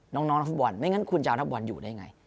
น้องน้องนักบอลไม่งั้นคุณเจ้านักบอลอยู่ได้ยังไง